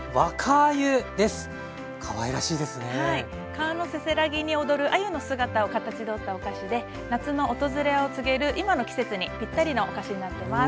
川のせせらぎに躍るあゆの姿をかたちどったお菓子で夏の訪れを告げる今の季節にぴったりのお菓子になってます。